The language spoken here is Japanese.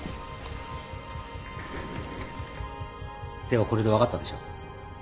ではこれで分かったでしょう？